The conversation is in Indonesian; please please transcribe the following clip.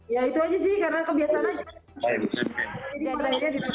ya itu aja sih karena kebiasaan aja